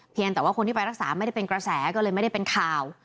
แต่ว่าคนที่ไปรักษาไม่ได้เป็นกระแสก็เลยไม่ได้เป็นข่าว